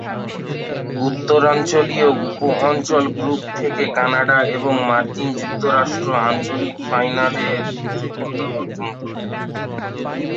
উত্তরাঞ্চলীয় উপ-অঞ্চল গ্রুপ থেকে, কানাডা এবং মার্কিন যুক্তরাষ্ট্র আঞ্চলিক ফাইনালের যোগ্যতা অর্জন করে।